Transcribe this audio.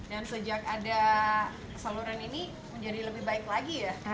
dan sejak ada saluran ini menjadi lebih baik lagi ya